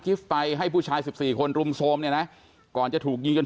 กิฟต์ไปให้ผู้ชาย๑๔คนรุมโทรศัพท์เนี่ยนะก่อนจะถูกยืนกัน